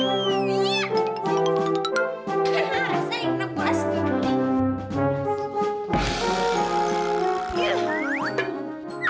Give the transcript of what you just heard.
saya ini pasti boleh